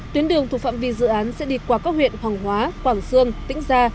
tuyến đường thuộc phạm vi dự án sẽ đi qua các huyện hoàng hóa quảng sương